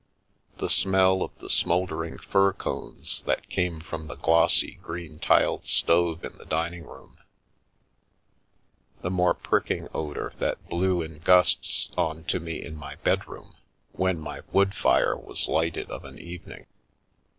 The smell of the smouldering fir cones that came from the glossy, green tiled stove in the dining room, the more pricking odour that blew in gusts on to me in my bedroom, when my wood fire was lighted of an evening.